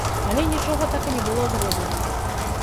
Але нічога так і не было зроблена.